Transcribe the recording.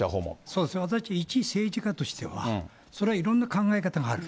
そうですね、私、一政治家としては、それはいろんな考え方がある。